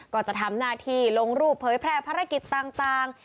ก็จะทำหน้าที่ลงรูปเผยแพร่ภารกิจต่าง